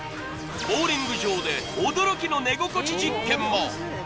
ボウリング場で驚きの寝心地実験も！